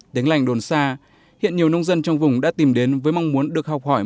đến lành đồn xa hiện nhiều nông dân trong vùng đã tìm đến với mong muốn được học hỏi